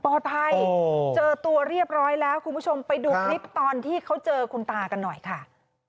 เจอตัวเรียบร้อยแล้วคุณผู้ชมไปดูคลิปตอนที่เขาเจอคุณตากันหน่อยค่ะ